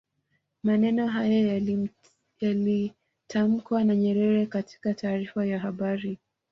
maneno hayo yalitamkwa na nyerere katika taarifa ya habari